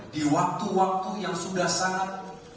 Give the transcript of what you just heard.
di waktu waktu yang sudah sangat